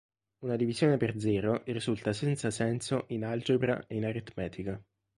Una divisione per zero risulta senza senso in algebra e in aritmetica.